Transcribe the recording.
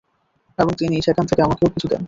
এবং তিনি সেখান থেকে আমাকেও কিছু দেন।